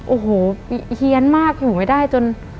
โอ้โหเฮียนมากอยู่ไม่ได้จน